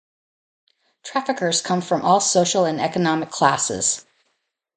Traffickers come from all social and economic classes.